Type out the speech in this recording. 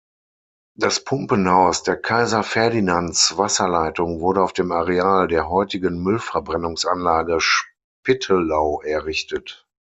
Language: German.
Das Pumpenhaus der Kaiser-Ferdinands-Wasserleitung wurde auf dem Areal der heutigen Müllverbrennungsanlage Spittelau errichtet.